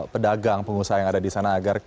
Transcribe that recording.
pedagang pengusaha yang ada di sana agar